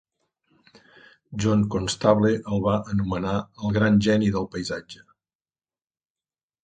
John Constable el va anomenar "el gran geni del paisatge".